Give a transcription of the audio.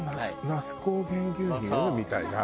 那須高原牛乳？みたいな。